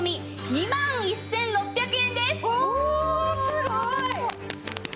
すごい！